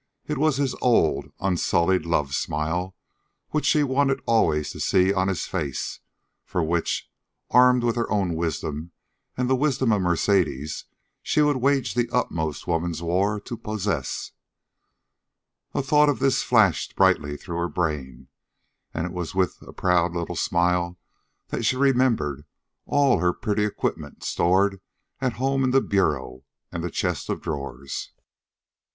It was his old, unsullied love smile which she wanted always to see on his face for which, armed with her own wisdom and the wisdom of Mercedes, she would wage the utmost woman's war to possess. A thought of this flashed brightly through her brain, and it was with a proud little smile that she remembered all her pretty equipment stored at home in the bureau and the chest of drawers.